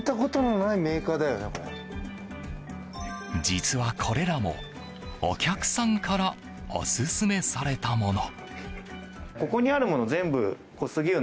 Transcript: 実は、これらもお客さんからオススメされたもの。